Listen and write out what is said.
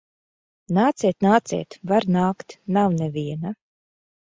Nāciet, nāciet! Var nākt. Nav neviena.